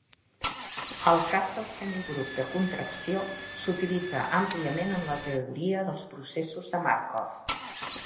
El cas del semigrup de contracció s'utilitza àmpliament en la teoria dels processos de Markov.